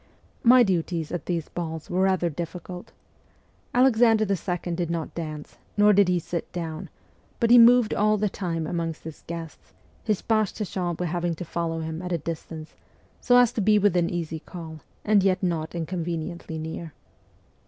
My duties at these balls were rather difficult. Alexander II. did not dance, nor did he sit down, but he moved all the time amongst his guests, his page de chambre having to follow him at a distance, so as to be within easy call, and yet not inconveniently near.